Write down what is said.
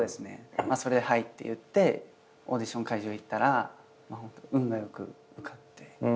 それで「はい」って言ってオーディション会場行ったら運が良く受かって。